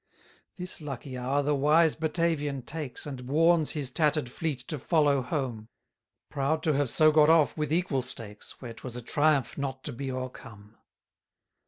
134 This lucky hour the wise Batavian takes, And warns his tatter'd fleet to follow home; Proud to have so got off with equal stakes, Where 'twas a triumph not to be o'ercome.